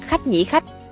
khách nhĩ khách